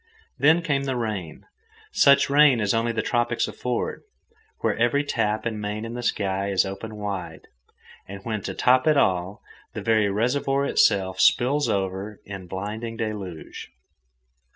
Then came the rain, such rain as only the tropics afford, where every tap and main in the sky is open wide, and when, to top it all, the very reservoir itself spills over in blinding deluge.